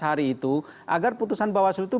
dua belas hari itu agar putusan bawah sel itu